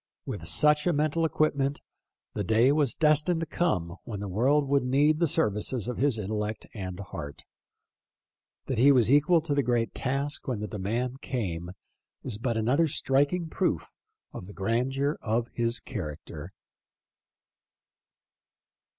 With such a mental equipment the day was destined to come when the world would need the services of his intel lect and heart. That he was equal to the great task when the demand came is but another striking proof of the grandeur of his character.